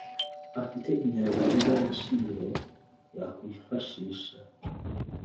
afite inyandiko z’agaciro yakwifashisha